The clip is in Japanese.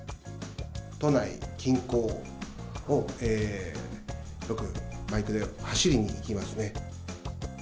都内近郊をよくバイクで走りに行きますね。